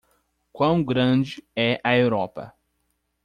Quão grande é a Europa?